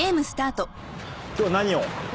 今日は何を？